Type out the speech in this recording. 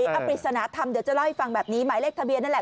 ปริศนธรรมเดี๋ยวจะเล่าให้ฟังแบบนี้หมายเลขทะเบียนนั่นแหละ